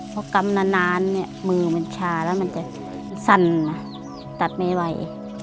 เพราะกำนานมือมันชาแล้วมันจะสั่นตัดไม่ไหว